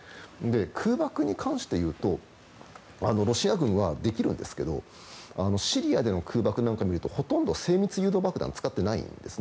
空爆に関していうとロシア軍はできるんですけどシリアでの空爆などを見るとほとんど精密誘導爆弾使ってないんですね。